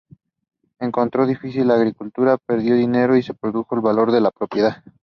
Encontró difícil la agricultura, perdió dinero, y se redujo el valor de la propiedad.